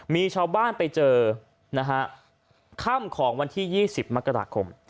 มีชาวบ้านไปเจอนะฮะค่ำของวันที่๒๐มกราคม